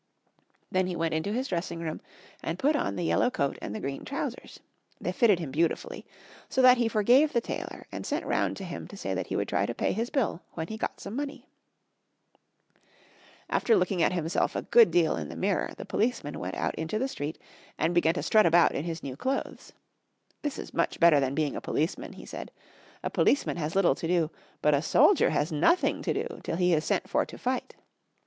Then he went into his dressing room and put on the yellow coat and the green trousers. They fitted him beautifully. So that he forgave the tailor, and sent round to him to say that he would try to pay his bill when he got some money. [Illustration: He began to strut about in his new clothes.] After looking at himself a good deal in the mirror the policeman went out into the street and began to strut about in his new clothes. "This is much better than being a policeman," he said, "a policeman has little to do, but a soldier has nothing to do till he is sent for to fight.